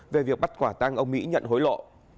về việc bắt quả tang ông mỹ nhận hối lộ